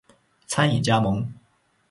餐饮加盟